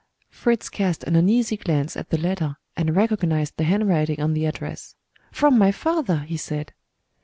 Fritz cast an uneasy glance at the letter, and recognized the handwriting on the address. "From my father!" he said.